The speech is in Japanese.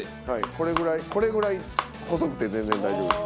これぐらいこれぐらい細くて全然大丈夫です。